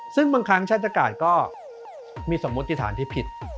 ซึ่งบางครั้งชาติก็มีสมมติฐานที่ผิด